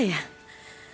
aku belum pulang